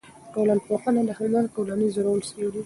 ټولنپوهنه د هنر ټولنیز رول څېړي.